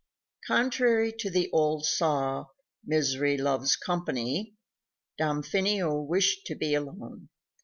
_ Contrary to the old saw, "Misery loves company," Damfino wished to be alone.